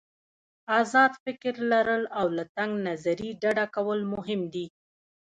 آزاد فکر لرل او له تنګ نظري ډډه کول مهم دي.